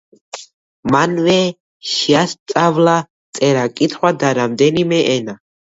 მანვე შეასწავლა წერა-კითხვა და რამდენიმე ენა.